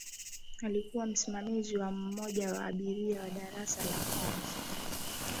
alikuwa msimamizi wa mmoja wa abiria wa darasa la kwanza